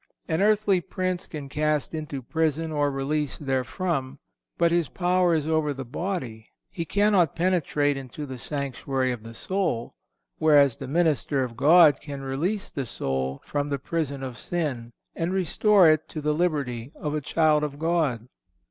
An earthly prince can cast into prison or release therefrom. But his power is over the body. He cannot penetrate into the sanctuary of the soul; whereas the minister of God can release the soul from the prison of sin, and restore it to the liberty of a child of God.